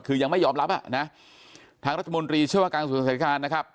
คือยังไม่ยอมรับนะทางรัฐมนตรีเชื่อการสู่สถานการณ์นะครับ